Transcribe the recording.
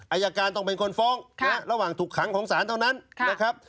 อายการต้องเป็นคนฟ้องระหว่างถูกขังของศาลเท่านั้นนะครับ